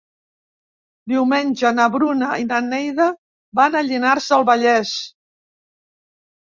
Diumenge na Bruna i na Neida van a Llinars del Vallès.